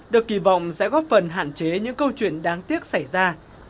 được kỳ vọng sẽ góp phần hạn chế những câu chuyện đáng tiếc xảy ra